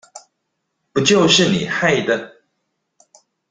不就是你害的